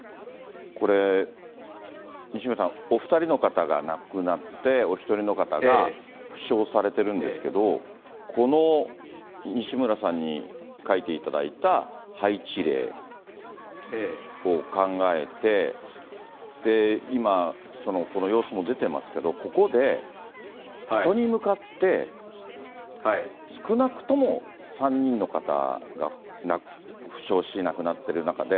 これ、西村さん、お２人の方が亡くなって、お一人の方が負傷されてるんですけど、この西村さんに描いていただいた配置例を考えて、今、この様子も出てますけれども、ここで人に向かって少なくとも３人の方が負傷し、亡くなってる中で、